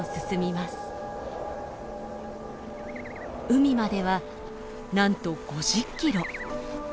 海まではなんと５０キロ。